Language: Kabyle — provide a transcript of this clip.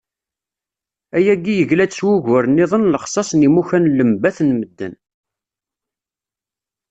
Ayagi yegla-d s wugur-nniḍen n lexṣaṣ n yimukan n lembat n medden.